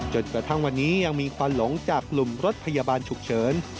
จนกระทั่งวันนี้ยังมีควันหลงจากกลุ่มรถพยาบาลฉุกเฉิน